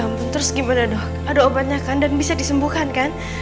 hmm terus gimana dok ada obatnya kan dan bisa disembuhkan kan